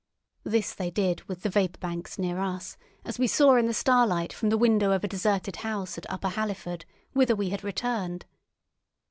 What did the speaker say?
This they did with the vapour banks near us, as we saw in the starlight from the window of a deserted house at Upper Halliford, whither we had returned.